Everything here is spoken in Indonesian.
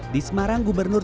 di semarang gubernur